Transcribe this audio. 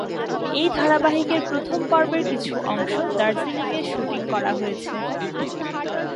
এই ধারাবাহিকের প্রথম পর্বের কিছু অংশ দার্জিলিং এ শুটিং করা হয়েছে।